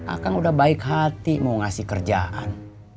akan udah baik hati mau ngasih kerjaan